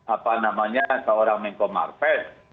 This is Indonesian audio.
apa namanya seorang menko marves